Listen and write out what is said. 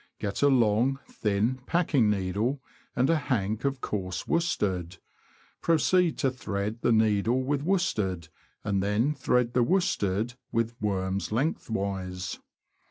Get a long, thin, packing needle, and a hank of coarse worsted. Proceed to thread the needle with worsted, and then thread the worsted with worms lengthwise.